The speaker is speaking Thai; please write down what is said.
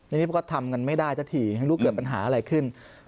อันนี้เราก็ทำกันไม่ได้ทัทีหังลูกเกิดปัญหาอะไรขึ้น